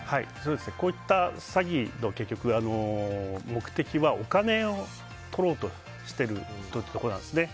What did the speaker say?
こういった詐欺の目的はお金をとろうとしてるんですね。